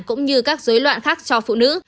cũng như các dối loạn khác cho phụ nữ